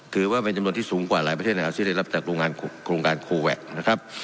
คือว่าเป็นจำนวนที่สูงกว่าหลายประเทศในอาเซียได้รับจากโครงการโคแวคนะครับ